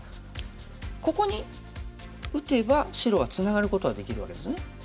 ここに打てば白はツナがることはできるわけですね。